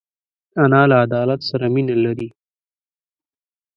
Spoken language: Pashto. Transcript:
انا له عدالت سره مینه لري